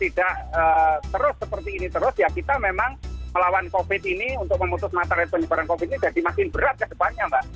tidak terus seperti ini terus ya kita memang melawan covid ini untuk memutus mata ratu penyebaran covid ini jadi makin berat ke depannya mbak